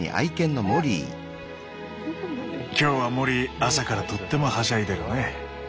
今日はモリー朝からとってもはしゃいでるね。